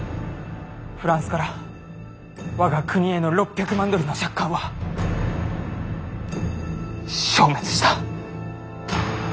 フランスから我が国への６００万ドルの借款は消滅した。